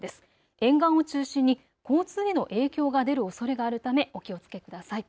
沿岸を中心に交通への影響が出るおそれがあるためお気をつけください。